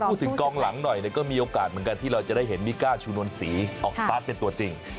พูดถึงกองหลังหน่อยก็มีโอกาสเหมือนกันที่เราจะได้เห็นมิก้าชูนวลศรีออกสตาร์ทเป็นตัวจริง